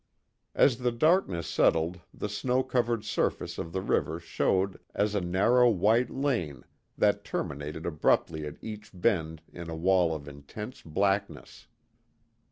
As the darkness settled the snow covered surface of the river showed as a narrow white lane that terminated abruptly at each bend in a wall of intense blackness.